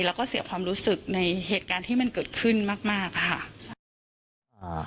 แล้วก็เสียความรู้สึกในเหตุการณ์ที่มันเกิดขึ้นมากค่ะ